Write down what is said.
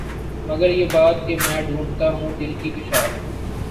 مگر یہ بات کہ میں ڈھونڈتا ہوں دل کی کشاد